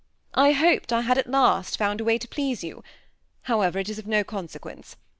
I hoped I had at last found a way to please you ; however, it is of no consequence.